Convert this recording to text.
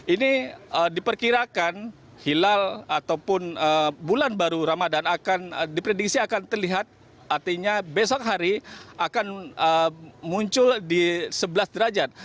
ini diperkirakan hilal ataupun bulan baru ramadan akan diprediksi akan terlihat artinya besok hari akan muncul di sebelas derajat